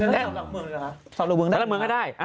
แล้วหลักเมืองก็ได้